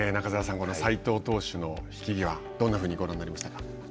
この斎藤投手の引き際どんなふうにご覧になりましたか。